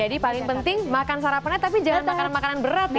paling penting makan sarapannya tapi jangan makan makanan berat ya